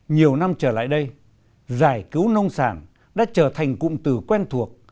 nhiều năm trở lại đây giải cứu nông sản đã trở thành cụm từ quen thuộc